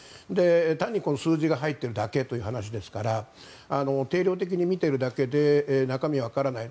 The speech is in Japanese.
単に数字が入っているだけという話ですから定量的に見ているだけで中身はわからない。